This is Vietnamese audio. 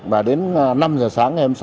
và đến năm giờ sáng ngày hôm sau